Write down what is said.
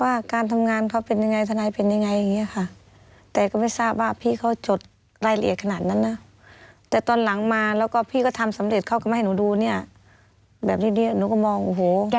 ว่าการทำงานเขาเป็นยังไงทนายเป็นยังไงอย่างนี้ค่ะแต่ก็ไม่ทราบว่าพี่เขาจดรายละเอียดขนาดนั้นนะแต่ตอนหลังมาแล้วก็พี่ก็ทำสำเร็จเขาก็ไม่ให้หนูดูเนี่ยแบบนี้หนูก็มองโอ้โห